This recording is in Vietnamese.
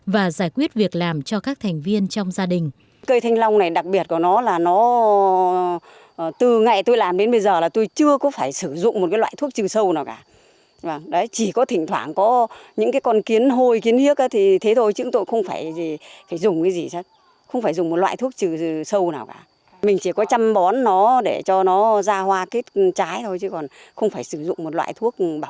và giải quyết việc làm cho các thành viên trong gia đình